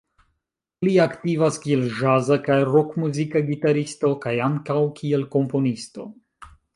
Li aktivas kiel ĵaza kaj rokmuzika gitaristo kaj ankaŭ kiel komponisto.